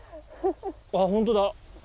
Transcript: あ本当だ。